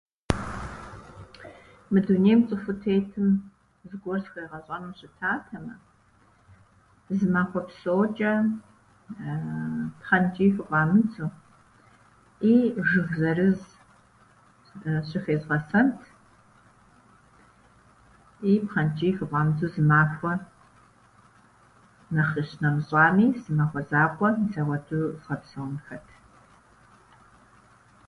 Мы дунейм цӏыхуу тетым зыгуэр схуегъэщӏэну щытатэмэ, зы махуэ псочӏэ пхъэнчӏий хыфӏамыдзэу и жыг зырыз щы- щыхезгъэсынт, и пхъэнчӏий хыфӏамыдзэу зы махуэ нэхъ къыщынэмыщӏами, зы махуэ закъуэ мис ауэдэу згъэпсэунхэт.